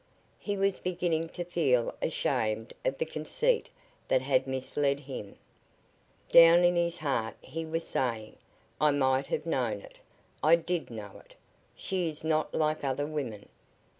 He was beginning to feel ashamed of the conceit that had misled him. Down in his heart he was saying: "I might have known it. I did know it. She is not like other women."